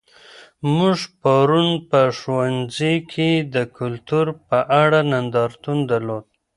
موږ پرون په ښوونځي کې د کلتور په اړه نندارتون درلود.